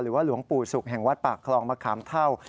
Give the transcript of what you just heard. หลวงปู่ศุกร์แห่งวัดปากคลองมะขามเท่า